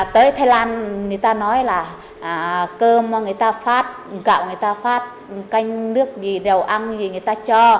tới thái lan người ta nói là cơm người ta phát gạo người ta phát canh nước vì đều ăn thì người ta cho